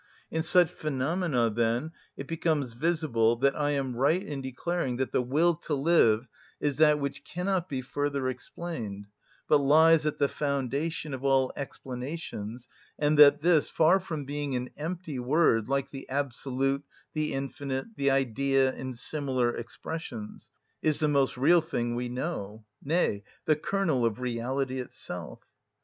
In such phenomena, then, it becomes visible that I am right in declaring that the will to live is that which cannot be further explained, but lies at the foundation of all explanations, and that this, far from being an empty word, like the absolute, the infinite, the idea, and similar expressions, is the most real thing we know, nay, the kernel of reality itself.